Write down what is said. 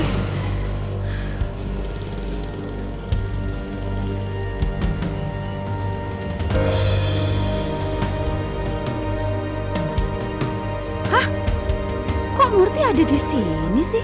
hah kok murti ada disini sih